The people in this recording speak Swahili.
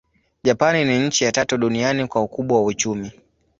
Japani ni nchi ya tatu duniani kwa ukubwa wa uchumi.